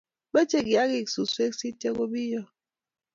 Machei kiakik suswek sityo ko piong